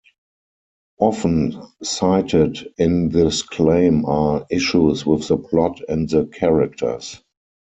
Often cited in this claim are issues with the plot and the characters.